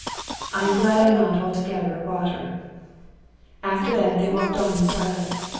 I am glad I am not altogether a rotter." After that they walked on in silence.